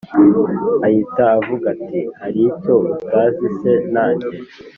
ahita avuga ati”hari icyo utazi se najye